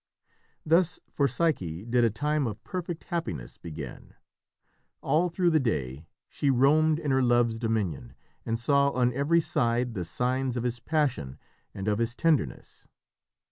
Thus, for Psyche, did a time of perfect happiness begin. All through the day she roamed in her Love's dominion, and saw on every side the signs of his passion and of his tenderness.